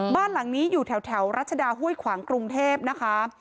บ้านหลังนี้อยู่แถวรัชดาห้วยขวางกรุงเทพนะคะ